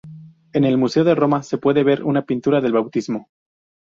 En el Museo de Roma se puede ver una pintura del bautismo.